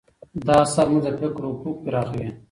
دا اثر زموږ د فکر افق پراخوي.